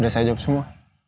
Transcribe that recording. udah saya jawab semua